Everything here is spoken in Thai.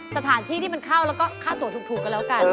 สถานที่ที่มันเข้าแล้วก็ค่าตัวถูกก็แล้วกัน